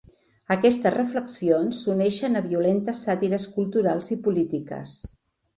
Aquestes reflexions s'uneixen a violentes sàtires culturals i polítiques.